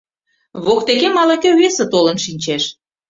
Воктекем ала-кӧ весе толын шинчеш.